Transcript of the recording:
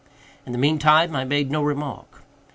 In the mean time I made no remark.